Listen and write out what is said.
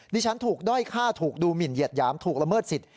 ฉันถูกด้อยฆ่าถูกดูหมินเหยียดหยามถูกละเมิดสิทธิ